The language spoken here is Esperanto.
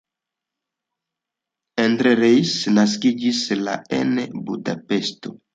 Endre Reuss naskiĝis la en Budapeŝto.